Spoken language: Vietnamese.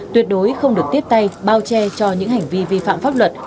tuyệt đối không được tiếp tay bao che cho những hành vi vi phạm pháp luật